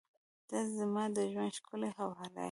• ته زما د ژونده ښکلي حواله یې.